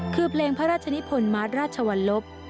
คือเพลงพระราชนิพลมาร์ทราชวรรลบ